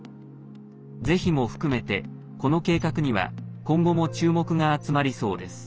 是非も含めて、この計画には今後も注目が集まりそうです。